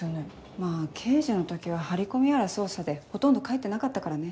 まぁ刑事の時は張り込みやら捜査でほとんど帰ってなかったからね。